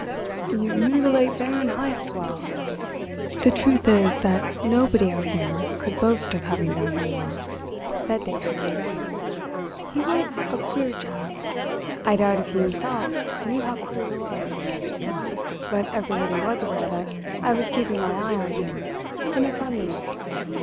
"You knew the late Baron Heyst well?" "The truth is that nobody out here can boast of having known him well," said Davidson. "He was a queer chap. I doubt if he himself knew how queer he was. But everybody was aware that I was keeping my eye on him in a friendly way.